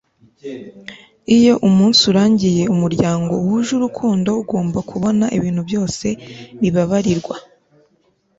iyo umunsi urangiye, umuryango wuje urukundo ugomba kubona ibintu byose bibabarirwa. - mark v. olsen